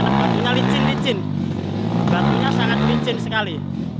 ya karena batunya licin licin batunya sangat licin sekali